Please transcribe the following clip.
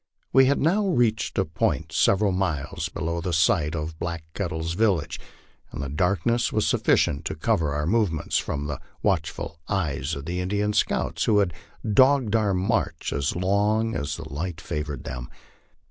We had now reached a point several miles below the site of Black Kettle's village, and the darkness was sufficient to cover our movements from the watchful eyes of the Indian scouts, who had dogged our march as long as the light favored them.